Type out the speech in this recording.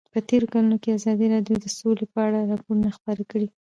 په تېرو کلونو کې ازادي راډیو د سوله په اړه راپورونه خپاره کړي دي.